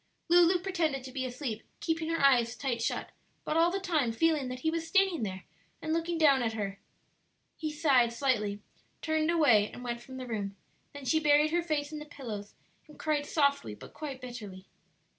Lulu pretended to be asleep, keeping her eyes tight shut, but all the time feeling that he was standing there and looking down at her. He sighed slightly, turned away, and went from the room; then she buried her face in the pillows and cried softly but quite bitterly.